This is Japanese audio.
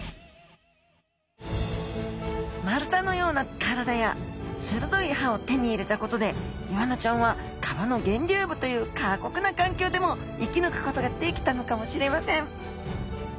丸太のような体やするどい歯を手に入れたことでイワナちゃんは川の源流部という過酷な環境でも生きぬくことができたのかもしれません。